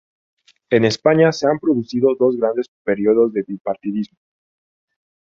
En España se han producido dos grandes periodos de bipartidismo.